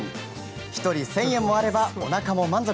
１人１０００円もあればおなかも満足。